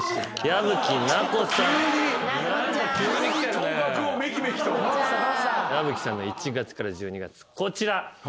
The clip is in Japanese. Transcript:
矢吹さんの１月から１２月こちら。